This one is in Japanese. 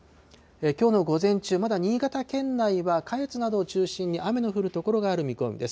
きょうの午前中、まだ新潟県内は下越などを中心に雨の降る所がある見込みです。